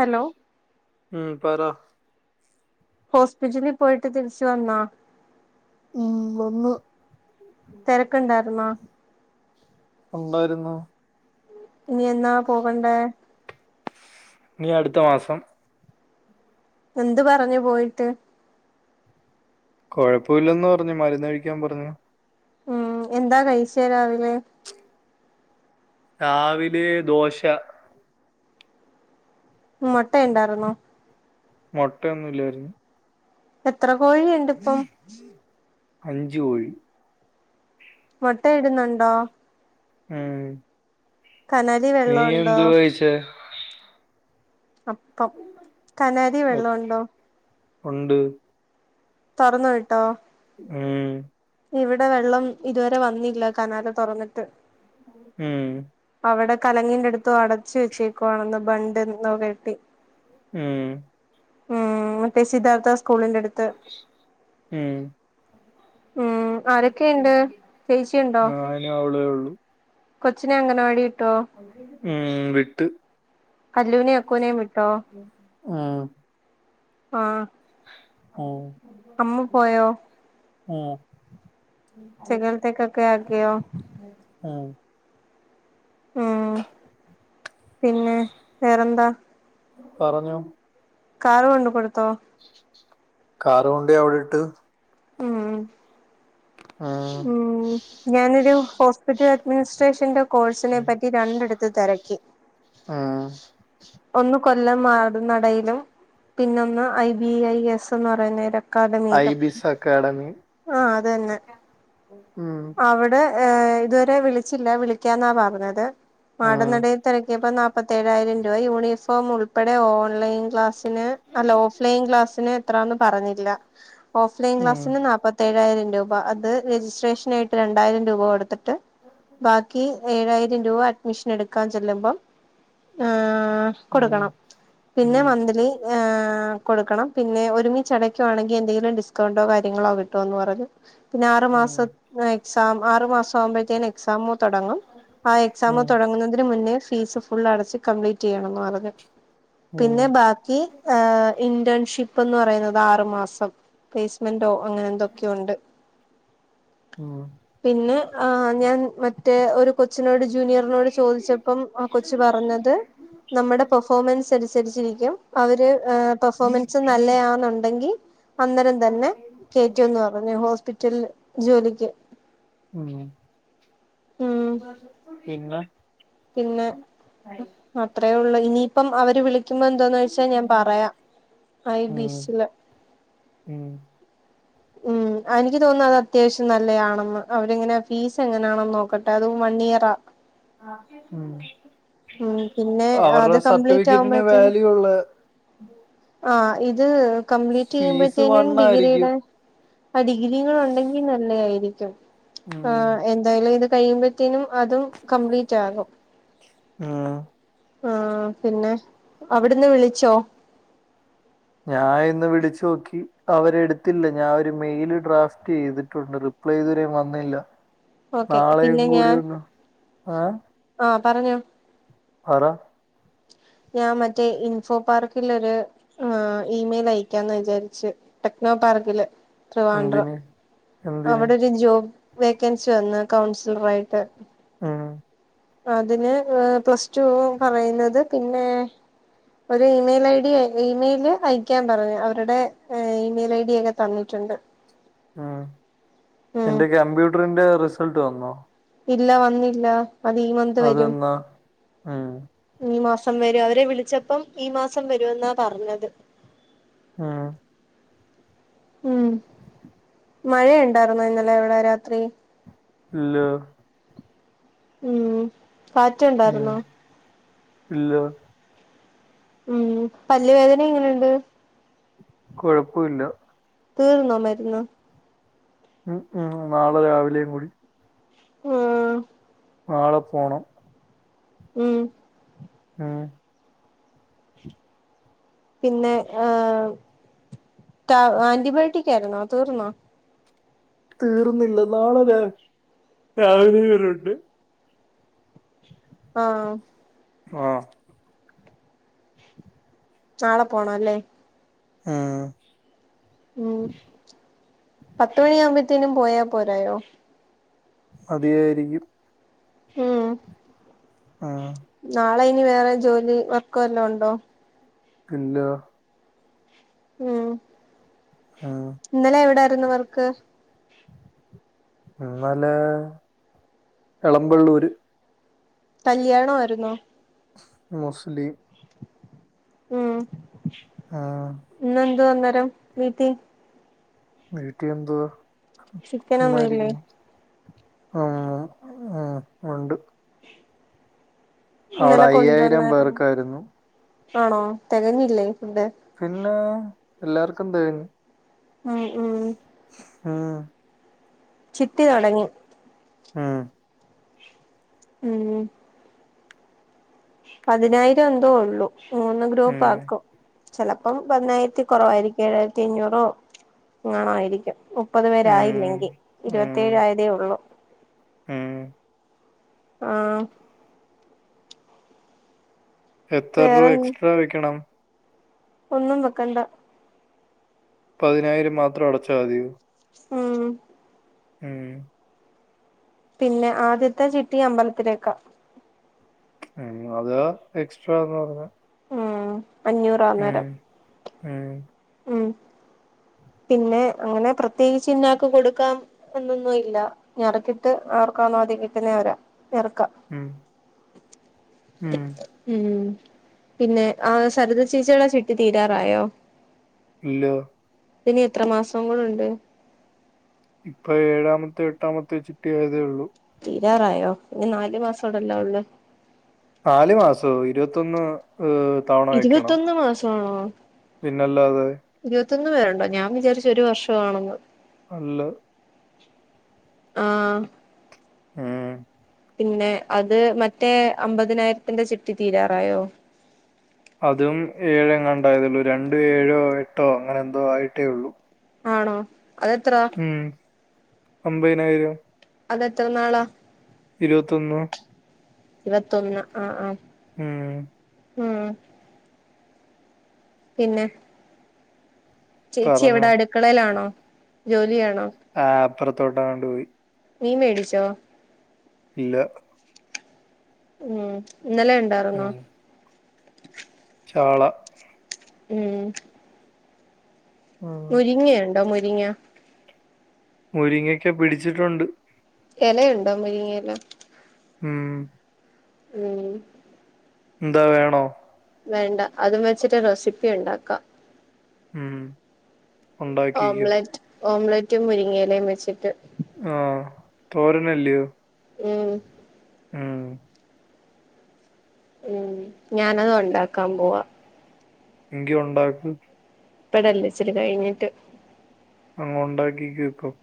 Hello ഉം പറാ ഹോസ്പിറ്റലിൽ പോയിട്ട് തിരിച്ച് വന്നോ? ഉം വന്ന്. തെരക്ക് ഇണ്ടായിര്ന്നോ? ഉണ്ടായിരുന്നു. ഇനി എന്നാ പോകണ്ടേ? ഇനി അടുത്ത മാസം. എന്ത് പറഞ്ഞു പോയിട്ട്? കുഴപ്പവില്ലന്ന് പറഞ്ഞു. മരുന്ന് കഴിക്കാൻ പറഞ്ഞു. ഉം എന്താ കഴിച്ചേ രാവിലെ? രാവിലെ ദോശ. ഉ മുട്ട ഉണ്ടായിരുന്നോ മുട്ട യെന്നും ഇല്ലായിരുന്നു എത്ര കോഴി യുണ്ട്പ്പം അഞ്ച് കോഴി മുട്ടയിടുന്നുണ്ടോ ഉം കനലി നീ വെള്ളമുണ്ടോ എന്തുവാകയിച്ചേ അപ്പം കനാലി വെള്ള ണ്ടോ ഉണ്ട് തുറന്ന് വിട്ടോ ഉം ഇവിടെ വെള്ളം ഇതുവരെ വന്നില്ല കനാല തുറന്നിട്ട് ഉം. അവിടെ കലങ്ങിന്റെ അടുത്ത് അടച്ചു വെച്ചേക്കുവാണന്ന് ബണ്ട് എന്തേകെട്ടി. മ് മ് മറ്റേ സിദ്ധാത്ഥ സ്കൂളിന്റെ അടുത് മ്മ്. ഉം ആരൊക്കെയുണ്ട് ചേച്ചിയുണ്ടോ ആ അയിന് അവളേ ഉള്ളു. കൊച്ചിനെ അംഗൻവാടി ട്ടോ ഉം വിട്ട് കല്ലുനെ അക്കൂനെ വിട്ടോ? മ്. ആഹ്. ഓ, അമ്മ പോയോ? മ് ചെകലത്തേക്കൊക്കെ ആക്കിയോ ആഹ്. മ് പിന്നെ വേറെന്താ പറഞ്ഞേ കാറ് കൊണ്ട കൊടുത്തോ? കാറുകെണ്ട അവിടെ ഇട്ട് മ്മ് ഉം ഞാനൊരു ഹോസ്പിറ്റൽ അഡ്മിനിസ്ട്രേഷന്റെ കോഴ്സിനെ പറ്റി രണ്ടിടുത്ത് തിരക്കി. ഉം ഒന്ന് കൊല്ലം മാട നടയിലും പിന്നൊന്ന് ഐ ബി ഐ എസ് എന്ന് പറയുന്നലൊ ഐ അക്കാദമിയിലും ബിസ് അക്കാഡമി ആ അത്ന്നെ ഉം അവിടെ ഏ ഇതുവരെ വിളിച്ചില്ല വിളിക്കാന്നാ പറഞ്ഞത് ഉം മാടൻ നടയിൽ തിരക്കിയപ്പം മുപ്പത്തേഴായിരം ഇവ യൂണിഫോം ഉൾപ്പെടെ ഓൺലൈൻ ക്ലാസിന് അല്ല ഓഫ് ലൈൻ ക്ലാസിന് എത്രന്ന് പറഞ്ഞില്ല ഓഫ് ലൈൻ ഉം ക്ലാസിന് നാൽപ്പത്തേഴായിരം രൂപ അത് രജിസ്ട്രേഷൻ ആയിട്ട് രണ്ടായിരം രൂപ കൊടുത്തിട്ട് ട്ട് ബാക്കി ഏഴായിരം രൂപ അഡ്മിഷൻ എടു കാഞ്ചലമ്പം ആ ആ പിന്നെ കൊടുക്കണം പിന്നെ ഉം മന്ത്‌ലി കൊടുക്കണം പിന്നെ ഒരുമിച്ച്ടക്കുവാണെങ്കിൽ എന്തെങ്കിലും ഡിസ്കൗണ്ടോ കാര്യങ്ങളോ കിട്ടോ എന്ന് പറഞ്ഞു പിന്നെ ആറു മാസം എക്സാം ആറു മാസം ആവുമ്പോഴത്തേനും എക്സാമ തുടങ്ങും ആ എക്സാം തുടങ്ങുന്നതിന് മുന്നേ ഫീസ് ഫുള്ള് അടച്ച് കംപ്ലീറ്റ് ചെയ്യണം മറ ഉം പിന്നെ ബാക്കി ഇന്റൻ ഷിപ്പ്ന്ന് പറയുന്നത് ആറു മാസം പ്ലേസ്മെന്റോ അങ്ങനെ എന്തൊക്കെയുണ്ട് പിന്നെ ആ ഞാൻ മറ്റേ ഒരു കൊച്ചിനോട് ജൂനിയറിനോട് ചോദിച്ചപ്പം ആ കൊച്ചു പറഞ്ഞത് ത് നമ്മുടെ പെർഫോമൻസ് അനുസരിച്ചിരിക്കും അവര് പെർഫോമൻസ് നല്ലയാന്നുണ്ടെങ്കിൽ അന്നേരം തന്നെ കേയറ്റുന്ന് പറഞ്ഞു ഹോസ്പിറ്റ ചെല്ല് ജോലിക്ക് ഉം വന്നു ഉം കുളി പിന്നെ പിന്നെ അത്രേ ഒള്ള് ഇനിയിപ്പം അവര് വിളിക്ക ളിക്കുമ്പോ എന്തോന്ന് വെച്ചാ ഞാൻ പറയാം ഐ വിസില് ഉം ഉം എനിക്ക് തോന്നുന്ന അത് അത്യാവശ്യം നല്ലതാണെന്ന് അവരെങ്ങനെയാ ഫീസ് എങ്ങനെയാണെന്ന് നോക്കട്ടെ അത് വൺ ഇയറാ ഉം പിന്നെ അത് അവരുടെ കംപ്ലീറ്റ് സർട്ടിഫിക്കറ്റിന് വാല്യൂള്ള ഉം ആ ഇത് കംപ്ലീറ്റ് ഫീസ് ചെയ്യുമ്പോഴത്തേന് ഡിഗ്രിയുടെ വണ്ണായിരിക്കും ആ ഡിഗ്രികൾ ഉണ്ടെങ്കിൽ നല്ലതായിരുന്നു [unintelligible] ആ ഉം എന്തായാലും ഇത് കഴിയുമ്പത്തനും അതും കംപ്ലീറ്റ് ആകും ആ ആ പിന്നെ അവിടുന്ന് വിളിച്ചോ ഞാൻ ഇന്ന് വിളിച്ചു നോക്കി അവരെ എടുത്തില്ല ഞാൻ ഒരു മെയില് ഡ്രാഫ്റ്റ് ചെയ്തിട്ടുണ്ട് റിപ്ലൈ ഇതുവരെ വന്നില്ല ഓക്കെ നാളെയും പിന്നെ കൂടി ഞാൻ ഒന്ന് എ ആഹ് പറഞ്ഞോ പറ ഞാൻ മറ്റേ ഇൻഫോ പാർക്കിൽ ഒരു ഇമെയിൽ അയക്കാന്ന് വിചാരിച്ചു ടെക്നോ പാർക്കില് ത്രിവാഡ്രം എന്തിന് എന്തിന് അവിടെ ഒരു ജോബ് വേക്കൻസി വന്ന് കൗൺസിലറായിട്ട് ഉം അതിന് പ്ലസ് ടു പറയുന്നത് പിന്നെ ഒരു ഇമെയിൽ ഐഡി ഇമെയില് അയക്കാൻ പറഞ്ഞു അവരുടെ ഇമെയിൽ ഐഡിയൊക്കെ തന്നിട്ടുണ്ട് ആ ഉം എന്റെ കമ്പ്യൂട്ടറിന്റെ റിസൾട്ട് വന്നോ ഇല്ല വന്നില്ല അത് ഈ മന്ത് വരും അതെന്നാ ഉം ഈ മാസ മാസം വരും അവരെ വിളിച്ചപ്പം ഈ മാസം വരൂവെന്നാ പറഞ്ഞത് ഉം ഉം മഴയുണ്ടാർന്നോ ഇന്നലെ അവിടെ രാത്രി ഇല്ല ഉം ഉം കാറ്റുണ്ടായിരുന്നോ ഇല്ല ഉം പല്ല് വേദന എങ്ങനെണ്ട് കൊഴപ്പമില്ല തീർന്നോ മരുന്ന് ഉം ഉം നാളെ രാവിലെയും കൂടി ആ നാളെ പോണം ഉം മ്മ് പിന്നെ ഏ ആന്റിബയോട്ടിക് ആയിരുന്നോ തീർന്നോ തീർന്നില്ല നാളെ രാ രാവിലെ വരെ ഉണ്ട് ആ ആ നാളെ പോണല്ലേ ആ ഉം പത്തുമണിയാവുമ്പോത്തേനും പോയാ പോരായോ മതിയായിരിക്കും ഉം ആഹ് നാളെ ഇനി വേറെ ജോലി വർക്കുവല്ലോ ഉണ്ടോ ഇല്ല ഉം ഉം ഇന്നലെ എവിടെ രുന്നു വർക്ക് ഇന്നലെ എളമ്പള്ളൂര് കല്യാണവായിരുന്നോ മുസ്ലീം ഉം ഉം ഇന്നെന്തുവാ ഇന്ന് [unintelligible] വീത്തി വീട്ടി എന്തുവ ചിക്കനൊന്നു ഇല്ലേ ആഹ് ആഹ് ഒണ്ട് അവിടെ ഇന്നലെ അയ്യായിരം കൊണ്ടുവന്നായിരുന്നു പേർക്കാരുന്നു ആണോ തെകഞ്ഞില്ലേ പിന്നേ എല്ലാർക്കും തെകഞ്ഞ് ഉം ഉം ഉം ചിട്ടി തൊടങ്ങി മ് ഉം പതിനായിരം എന്തോ ഒള്ളു മൂന്ന് ഗ്രൂപ്പ് ഉം ആക്കും ചെലപ്പം പതിനായിരത്തി കുറവായിരിക്കും ഏഴായിരത്തി അഞ്ഞൂറോ എങ്ങാണായിരിക്കും ഹും മുപ്പത് ഉം പേരായില്ലെങ്കി ഉം ഇരുപത്തേഴായതേ ഒള്ളൂ ഉം. ആ എത്തറരൂഅ വേറെ എക്സ്ട്രാ വെക്കണം ഒന്നും വെക്കണ്ട പതിനായിരം മാത്രം അടച്ചാ മതിയോ ഉം മ് പിന്നെ ആദ്യത്തെ ചിട്ടി അമ്പലത്തിലേക്കാ ഉം അതാ എക്സ്ട്രാന്ന് പറഞ്ഞ ഉം അഞ്ഞൂറാ അന്നേരം മ് ഉം പിന്നെ അങ്ങനെ പ്രത്യേകിച്ച് ഇന്നാക്ക് കൊടുക്കാം എന്നൊന്നും ഇല്ല ഞറക്കിട്ട് ആർക്കാന്നോ ആദ്യം കിട്ടുന്നേ അവരാ ഞെറുക്കാ മ്മ് മ് പിന്നെ ആ സരിത ചേച്ചിടെ ചിട്ടി തീരാറായോ ഇല്ലാ ഇനി എത്രമാസം കൂടെ ഒണ്ട് ഇപ്പ ഏഴാമത്തെ എട്ടാമത്തേ ചിട്ടി ആയതേ ഒള്ളൂ തീരാറായോ ഇനി നാലു മാസോടല്ല ഒള്ള് നാല് മാസോ ഇരുവത്തൊന്ന് ഇഹ് തവണ വെക്കണം ആ പിന്നല്ലാതെ [unintelligible] പേരുണ്ടോ ഞാൻ വിചാരിച്ചു ഒരു വർഷമാണെന്ന് അല്ല ആ മ് പിന്നെ അത് മറ്റേ അമ്പതിനായിരത്തിന്റെ ചിട്ടി തീരാറായോ? അതും എയങ്ങാണ്ടോയതേയുള്ളു, രണ്ട് ഏഴോ, എട്ടോ അങ്ങനെ എന്തോ ആയിട്ടേ ഉള്ളു. ആണോ അതെത്രാ അമ്പതിനായിരം അതെത്ര നാളാ ഇരുപത്തൊന്ന് ഇരുപത്തൊന്ന് ആ ആ മ് മ് പിന്നെ ചേച്ചി പറഞ്ഞോ എവിടെ അടുക്കളയിലാണോ? ജോലിയാണ് ആ അപ്പറത്തോട്ടെങ്ങാണ്ട് പോയി മീൻ മേടിച്ചോ? ഇല്ല മ് ഇന്നലെ ഇണ്ടാറുന്നോ? കാള ഉം ഉം. മുരിങ്ങയുണ്ടോ മു രിങ്ങ മുരിങ്ങയ്ക്ക പിടിച്ചിട്ടുണ്ട്. എലയുണ്ടോ മുരിങ്ങേല മ് മ് എന്താ വേണോ? വേണ്ട അതും വെച്ചിട്ട് റെസിപ്പി ഉണ്ടാക്കാം. ഉം ഉണ്ടാക്കിക്കോ. ഓംലറ്റ് ഓംലറ്റും മുരിങ്ങയെലയും വെച്ചിട്ട് ആ തോരനല്ലയോ? ഉം ഉം ഉം ഞാനത് ഒണ്ടാക്കാൻ പോവാ. എങ്കി ഒണ്ടാക്ക്. ഇപ്പഴല്ല ഇച്ചരി കഴിഞ്ഞിട്ട്. ഒണ്ടാക്കിക്കോ ഇപ്പം.